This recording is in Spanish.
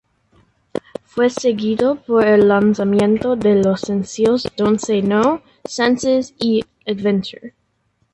Fue seguido por el lanzamiento de los sencillos "Don't Say No", "Senses", y "Adventure".